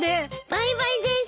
バイバイです。